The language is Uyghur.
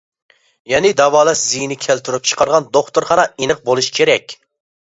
يەنى داۋالاش زىيىنى كەلتۈرۈپ چىقارغان دوختۇرخانا ئېنىق بولۇشى كېرەك.